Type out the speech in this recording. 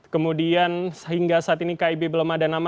kemudian sehingga saat ini kib belum ada nama